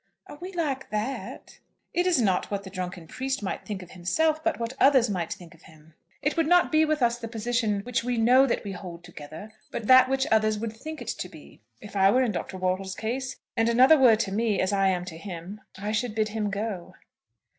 "Are we like that?" "It is not what the drunken priest might think of himself, but what others might think of him. It would not be with us the position which we know that we hold together, but that which others would think it to be. If I were in Dr. Wortle's case, and another were to me as I am to him, I should bid him go."